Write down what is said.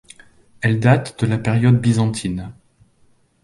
Elle date de la période byzantine.